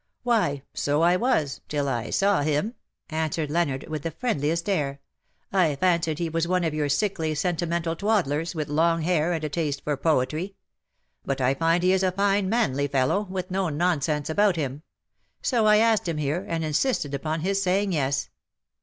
^' Why, so I was, till I saw him," answered Leonard, with the friendliest air. " I fancied he was one of your sickly, sentimental twaddlers, with long hair, and a taste for poetry ; but I find he is a fine, manly fellow, with no nonsense about him. So I asked him liere, and insisted upon his saying yes.